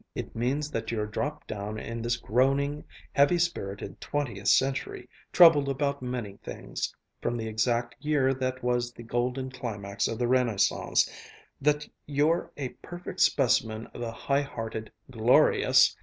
"It means that you're dropped down in this groaning, heavy spirited twentieth century, troubled about many things, from the exact year that was the golden climax of the Renaissance; that you're a perfect specimen of the high hearted, glorious